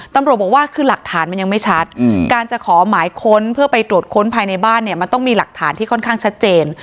ตำรวจบอกว่าคือหลักฐานมันยังไม่ชัดการจะขอหมายค้นเพื่อไปตรวจค้นภายในบ้านเนี่ยมันต้องมีหลักฐานที่ค่อนข้างชัดเจน